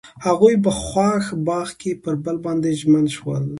هغوی په خوښ باغ کې پر بل باندې ژمن شول.